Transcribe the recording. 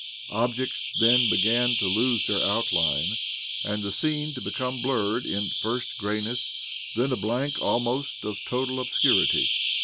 Objects then began to lose their outline, and the scene to become blurred in, first grey ness, then a blank almost of total obscurity.